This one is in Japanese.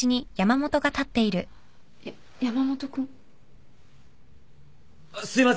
やっ山本君。あっすいません。